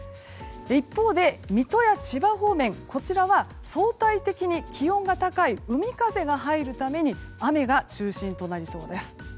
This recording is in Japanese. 一方で水戸や千葉方面は相対的に気温が高い海風が入るために雨が中心となりそうです。